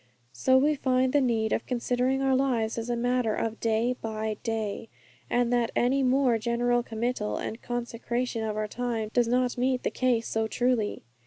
So we find the need of considering our lives as a matter of day by day, and that any more general committal and consecration of our time does not meet the case so truly.